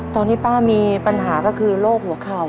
ตอนที่ป้ามีปัญหาก็คือโรคหัวเข่า